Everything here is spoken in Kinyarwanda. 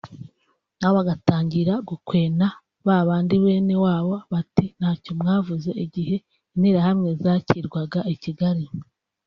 nabo bagatangira gukwena babandi bene wabo bati ntacyo mwavuze igihe interahamwe zakirwaga i Kigali